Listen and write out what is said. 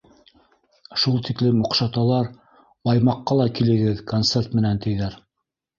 Шул тиклем оҡшаталар, Баймаҡҡа ла килегеҙ концерт менән, тиҙәр.